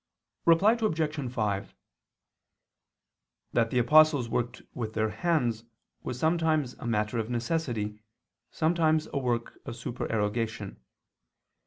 Reply Obj. 5: That the apostles worked with their hands was sometimes a matter of necessity, sometimes a work of supererogation.